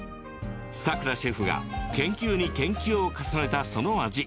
さくらシェフが研究に研究を重ねたその味